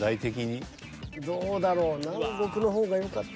どうだろう「南国」の方がよかった。